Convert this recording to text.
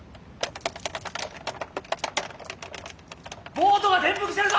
・ボートが転覆してるぞ！